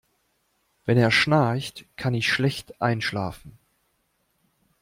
Wenn er schnarcht, kann ich schlecht einschlafen.